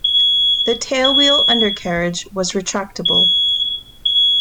The tailwheel undercarriage was retractable.